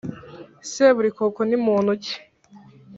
seburikoko ni muntu ki